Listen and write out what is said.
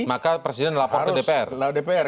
maka presiden lapor ke dpr